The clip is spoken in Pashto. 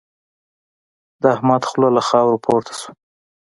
د احمد خوله له خاورو پورته شوه.